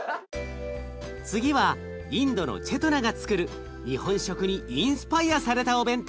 次はインドのチェトナがつくる日本食にインスパイアされたお弁当。